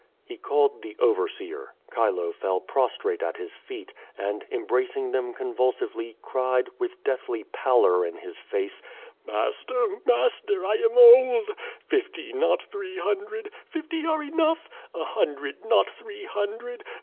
He called the overseer. Chile fell prostrate at his feet, and, embracing them convulsively, cried, with deathly pallor in his face: Master, master! I am old. Fifty, not three hundred! Fifty are enough. A hundred, not three hundred!